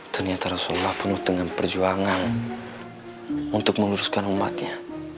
ternyata rasulullah penuh dengan perjuangan untuk meluruskan umatnya